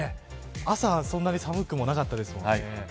朝はそんなに寒くなかったですもんね。